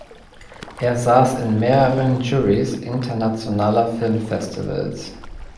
Er saß in mehreren Jurys internationaler Filmfestivals.